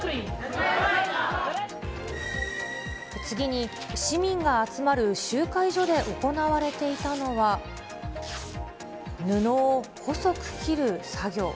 次に、市民が集まる集会所で行われていたのは、布を細く切る作業。